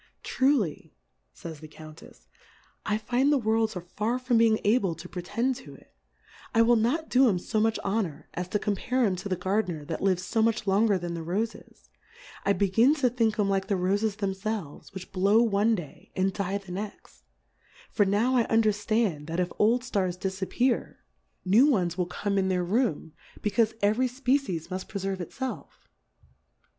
Truly, fj)>s the Countefs^ I find the Worlds are far from being able to pre tend to it ; I will not do 'em fo much Honour, as to compare 'em to the Gardiner that hv'd fo much longer than the Rofes : I begin to think 'em like the Roles themfelves, which blow one Day, and die the next : For now 1 under ftand, that if old Stars dilappear, new ones i6i Difcourfes on the ones will come in their Room, becaure every Species muft preferve it felf.